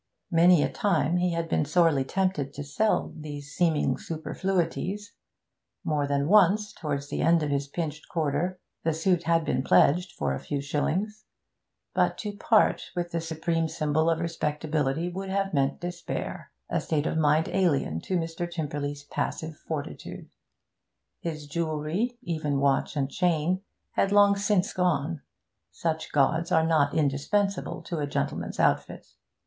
Many a time had he been sorely tempted to sell these seeming superfluities; more than once, towards the end of his pinched quarter, the suit had been pledged for a few shillings; but to part with the supreme symbol of respectability would have meant despair a state of mind alien to Mr. Tymperley's passive fortitude. His jewellery, even watch and chain, had long since gone: such gauds are not indispensable to a gentleman's outfit.